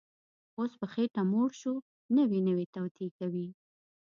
اوس په خېټه موړ شو، نوې نوې توطیې کوي